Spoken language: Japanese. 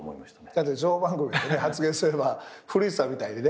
だって情報番組でね発言すれば古市さんみたいにね。